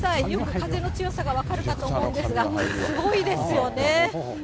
風の強さが分かるかと思うんですが、すごいですよね。